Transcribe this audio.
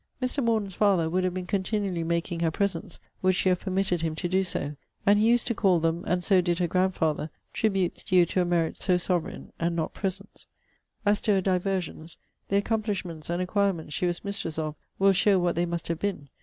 Mr. Morden's father would have been continually making her presents, would she have permitted him to do so; and he used to call them, and so did her grandfather, tributes due to a merit so sovereign, and not presents. As to her diversions, the accomplishments and acquirements she was mistress of will show what they must have been.